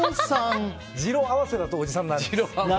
二朗合わせだとおじさんになるんです。